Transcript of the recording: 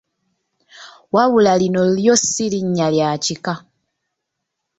Wabula lino lyo si linnya lya kika.